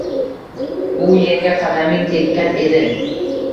Bu yerga qadaming tekkan edi